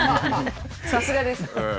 さすがです。